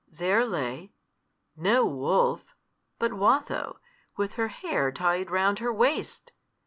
There lay no wolf, but Watho, with her hair tied round her waist!